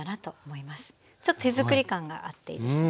ちょっと手作り感があっていいですよね。